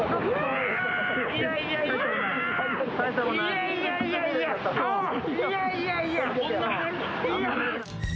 いやいやいやいや！